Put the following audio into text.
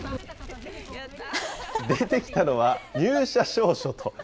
出てきたのは、入社証書と。